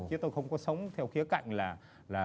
chứ tôi không có sống theo khía cạnh là